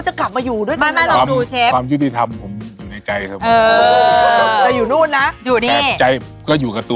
จะเป็อรถกรหรือหอยกรต